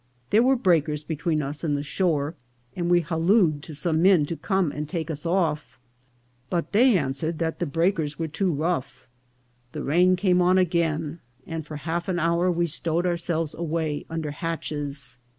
There were breakers between us and the shore, and we hallooed to some men to come and take us off, but they answered that the breakers were too rough. The rain came on again, and for half an hour we stowed ourselves away under hatches.